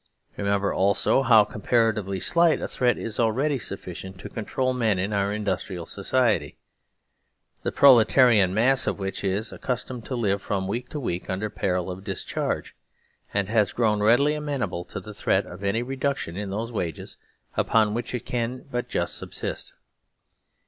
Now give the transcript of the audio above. Remember also how comparatively slight a threat is already sufficient to control men in our industrial society, the prole tarian mass of which is accustomed to live from week to week under peril of discharge, and has grown readily amenable to the threat of any reduction in those wages upon which it can but just subsist.